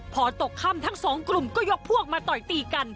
พอตกค่ำทั้งสองกลุ่มก็ยกพวกมาต่อยตีกัน